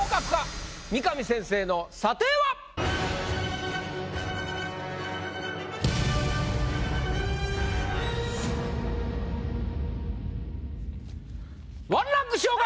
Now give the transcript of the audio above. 三上先生の査定は⁉１ランク昇格！